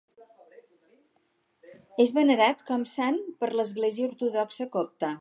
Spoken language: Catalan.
És venerat com sant per l'Església Ortodoxa Copta.